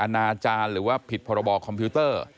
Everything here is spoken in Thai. นาจารย์หรือว่าผิดพรบคอมพิวเตอร์